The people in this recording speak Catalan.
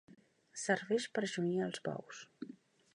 Serveix per junyir els bous.